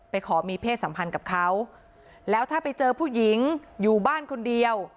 ขอมีเพศสัมพันธ์กับเขาแล้วถ้าไปเจอผู้หญิงอยู่บ้านคนเดียว